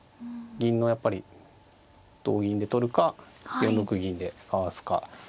銀のやっぱり同銀で取るか４六銀でかわすか。